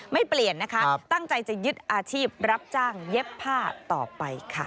เปลี่ยนนะคะตั้งใจจะยึดอาชีพรับจ้างเย็บผ้าต่อไปค่ะ